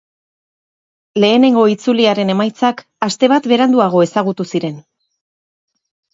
Lehenengo itzuliaren emaitzak aste bat beranduago ezagutu ziren.